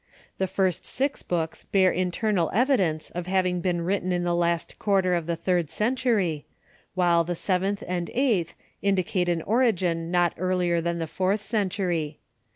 The first six books bear internal evidence of having been written in the last quarter of the third century, while the sev enth and eighth indicate an origin not earlier than the fourth century.